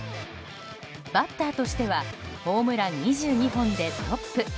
バッターとしてはホームラン２２本でトップ。